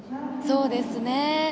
そうですね。